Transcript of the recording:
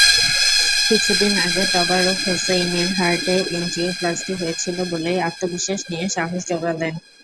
কিছুদিন আগে তবারক হোসেইনের হার্টে এনজিওপ্লাস্টি হয়েছিল বলেই আত্মবিশ্বাস নিয়ে সাহস জোগালেন।